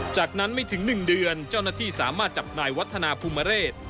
จากนั้นไม่ถึง๑เดือนเจ้าหน้าที่สามารถจับนายวัฒนาภูมิเรศ